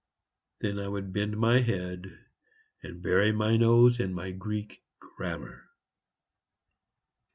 Then I would bend my head and bury my nose in my Greek grammar.